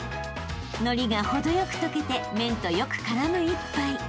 ［のりが程よくとけて麺とよく絡む一杯］